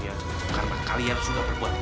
nanti kita akan berbincang dengan ustadz